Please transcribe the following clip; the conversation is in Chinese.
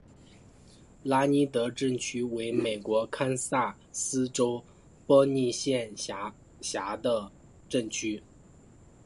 拉尼德镇区为美国堪萨斯州波尼县辖下的镇区。